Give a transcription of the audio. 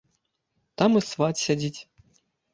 Там і сват сядзіць.